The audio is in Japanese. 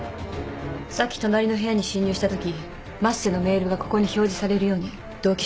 さっき隣の部屋に侵入したとき升瀬のメールがここに表示されるように同期しておいたの。